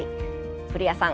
古谷さん